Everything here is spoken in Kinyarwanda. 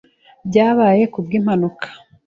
Byabaye kubwimpanuka.